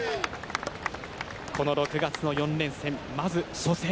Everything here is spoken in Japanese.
この６月の４連戦、まず初戦。